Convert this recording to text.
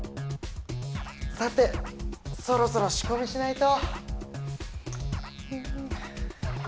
さてそろそろしこみしないと。